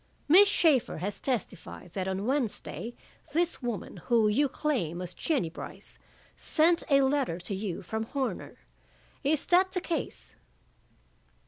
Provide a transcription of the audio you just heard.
"Miss Shaeffer has testified that on Wednesday this woman, who you claim was Jennie Brice, sent a letter to you from Horner. Is that the case?"